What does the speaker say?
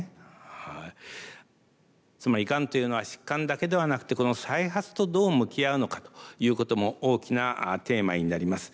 つまりがんというのは疾患だけではなくてこの再発とどう向き合うのかということも大きなテーマになります。